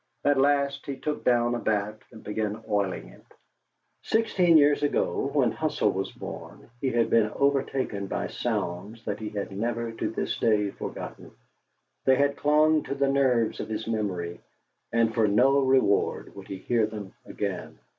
At last he took down a bat and began oiling it. Sixteen years ago, when Husell was born, he had been overtaken by sounds that he had never to this day forgotten; they had clung to the nerves of his memory, and for no reward would he hear them again.